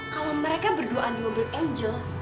kalo mereka berdua andi mobil injol